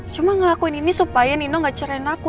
cuma ngelakuin ini supaya nino gak cerain aku